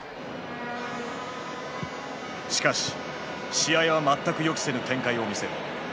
しかし試合は全く予期せぬ展開を見せる。